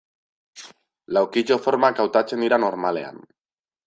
Laukitxo formak hautatzen dira normalean.